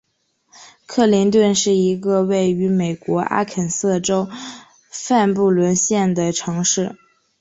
克林顿是一个位于美国阿肯色州范布伦县的城市。